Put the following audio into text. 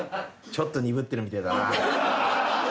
ちょっと鈍ってるみたいだな。